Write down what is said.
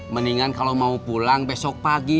mendingan kalau mau pulang besok pagi